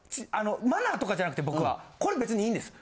マナーとかじゃなくて僕はこれ別にいいんです。